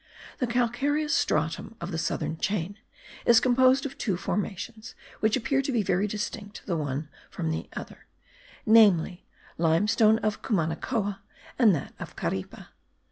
The calcareous stratum of the southern chain is composed of two formations which appear to be very distinct the one from the other: namely limestone of Cumanacoa and that of Caripe.